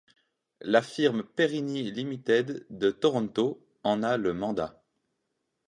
La firme Perini Limited de Toronto en a le mandat.